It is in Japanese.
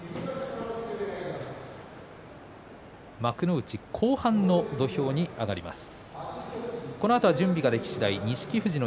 幕内後半の土俵に上がります。